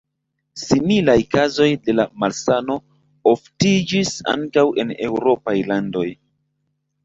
Similaj kazoj de la malsano oftiĝis ankaŭ en eŭropaj landoj.